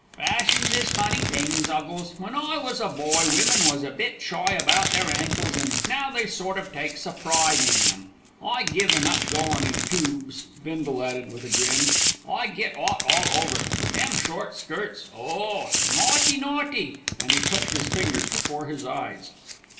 "Fashions is funny things, 'Uggles. When I was a boy women was a bit shy about their ankles, an' now they sort o' takes a pride in 'em. I given up goin' in toobes," Bindle added with a grin. "I get 'ot all over. Them short skirts, oh! naughty! naughty!" And he put his fingers before his eyes.